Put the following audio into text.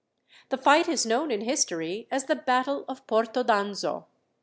The fight is known in history as the battle of Porto d'Anzo.